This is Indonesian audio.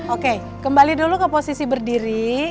oke kembali dulu ke posisi berdiri